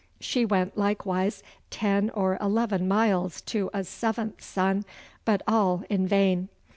She went likewise ten or eleven miles to a seventh son, but all in vain.